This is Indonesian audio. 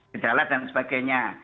gejala dan sebagainya